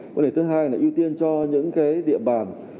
vấn đề thứ hai là ưu tiên cho những cái địa bàn